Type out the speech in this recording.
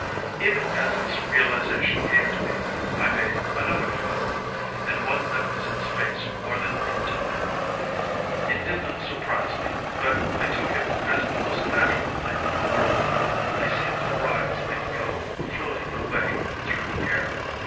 Even as this realization came to me, I made another flight and one that was in space more than in time. It did not surprise me, but I took it as the most natural thing in the world when I seemed to rise and go floating away through the air.